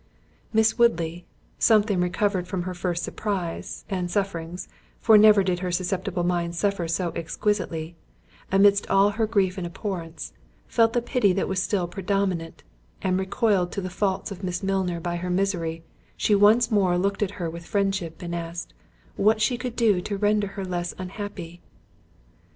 Miss Woodley, something recovered from her first surprise, and sufferings—for never did her susceptible mind suffer so exquisitely—amidst all her grief and abhorrence, felt that pity was still predominant—and reconciled to the faults of Miss Milner by her misery, she once more looked at her with friendship, and asked, "What she could do to render her less unhappy?"